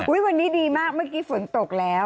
วันนี้ดีมากเมื่อกี้ฝนตกแล้ว